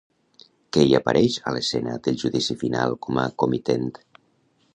Qui hi apareix a l'escena del Judici Final com a comitent?